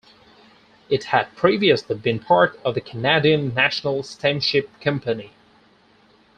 It had previously been part of the Canadian National Steamship Company.